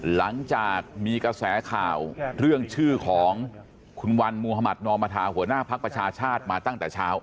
หลังจากมีกระแสข่าวเรื่องชื่อของคุณวันมุธมัธนอมธาหัวหน้าภักดิ์ประชาชาติมาตั้งแต่เช้า